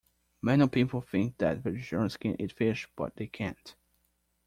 Many people think that vegetarians can eat fish, but they can't